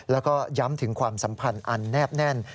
แล้วก็ย้ำถึงความสัมพันธ์อันแนบแน่น